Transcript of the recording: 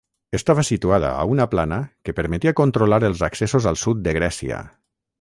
Estava situada a una plana que permetia controlar els accessos al sud de Grècia.